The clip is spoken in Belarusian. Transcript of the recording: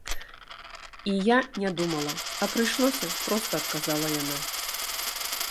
І я не думала. А прыйшлося, - проста адказала яна.